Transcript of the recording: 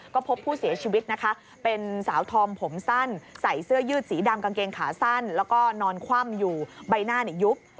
ก็พบผู้เสียชีวิตนะคะเป็นสาวธอมผมสั้นใส่เสื้อยืดสีดำกางเกงขาสั้นแล้วก็นอนคว่ำอยู่ใบหน้ายุบ